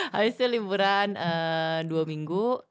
habis itu liburan dua minggu